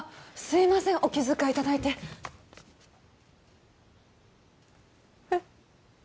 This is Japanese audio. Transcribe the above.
すいませんお気遣いいただいてえっ？